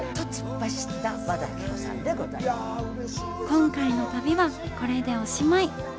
今回の旅はこれでおしまい。